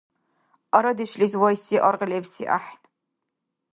Арадешлис вайси аргъ лебси ахӏен